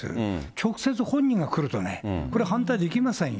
直接本人が来るとね、これ反対できませんよ。